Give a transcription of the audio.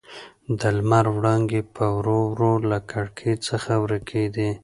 د لمر وړانګې په ورو ورو له کړکۍ څخه ورکېدې.